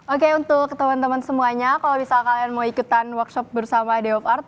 oke untuk teman teman semuanya kalau misal kalian mau ikutan workshop bersama deof art